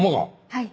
はい。